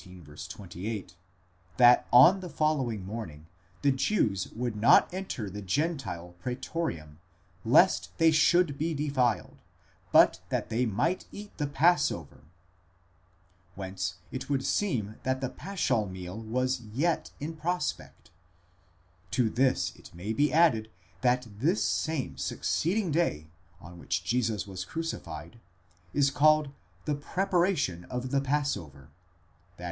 28, that on the following morning, the Jews would not enter the Gentile preetorium, lest they should be defiled ; but that they might eat the passover, ἵνα μὴ μιανθῶσιν, ἀλλ᾽ iva, φάγωσι τὸ πάσχα: whence it would seem that the paschal meal was yet in prospect. To this it may be added that this same succeeding day, on which Jesus was crucified, is called the preparation of the passover, παρασκευὴ τοῦ πάσχα, i.